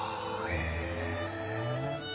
へえ。